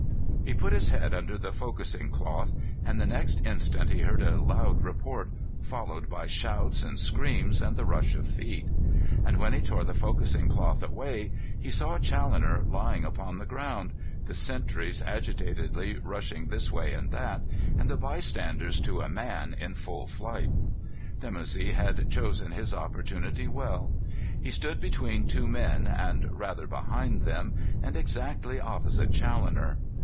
He put his head under the focussing cloth, and the next instant he heard a loud report, followed by shouts and screams and the rush of feet; and when he tore the focussing cloth away he saw Challoner lying upon the ground, the sentries agitatedly rushing this way and that, and the bystanders to a man in full flight. Dimoussi had chosen his opportunity well. He stood between two men, and rather behind them, and exactly opposite Challoner.